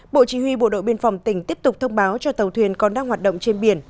bộ chỉ huy bộ đội biên phòng tỉnh tiếp tục thông báo cho tàu thuyền còn đang hoạt động trên biển